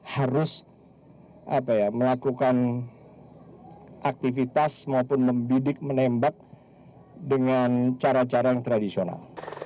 harus melakukan aktivitas maupun membidik menembak dengan cara cara yang tradisional